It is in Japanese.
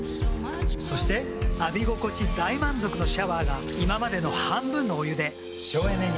そして浴び心地大満足のシャワーが今までの半分のお湯で省エネに。